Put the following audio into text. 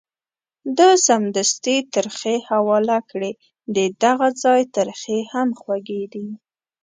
ده سمدستي ترخې حواله کړې، ددغه ځای ترخې هم خوږې دي.